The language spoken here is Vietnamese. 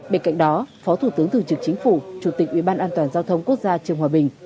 bên cạnh đó phó thủ tướng thư trực chính phủ chủ tịch ubnd giao thông quốc gia trường hòa bình